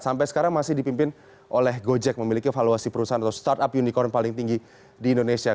sampai sekarang masih dipimpin oleh gojek memiliki valuasi perusahaan atau startup unicorn paling tinggi di indonesia